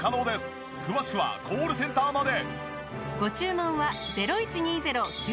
詳しくはコールセンターまで。